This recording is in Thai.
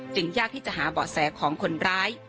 ยากที่จะหาเบาะแสของคนร้าย